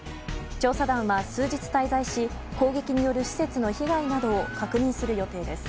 調査団は数日滞在し攻撃による施設の被害などを確認する予定です。